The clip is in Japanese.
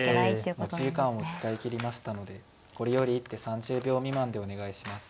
持ち時間を使い切りましたのでこれより一手３０秒未満でお願いします。